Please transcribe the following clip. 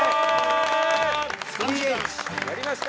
３ｈ！やりました。